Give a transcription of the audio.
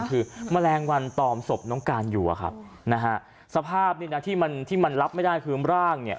คือแมลงวันตอบศพน้องการอยู่นะครับสภาพที่มันรับไม่ได้คือร่างเนี่ย